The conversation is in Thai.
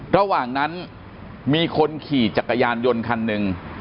ระหว่างนั้นมีคนขี่จักรยานยนต์คันหนึ่ง